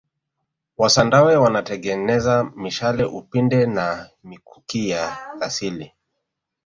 wasandawe wanatengeneza mishale upinde na mikuki ya asili